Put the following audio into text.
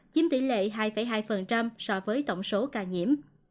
chiếm tỷ lệ hai hai so với tổng số ca nhiễm